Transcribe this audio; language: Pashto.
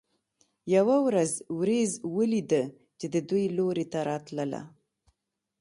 یوه ورځ ورېځ ولیده چې د دوی لوري ته راتله.